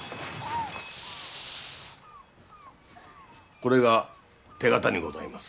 ・これが手形にございます。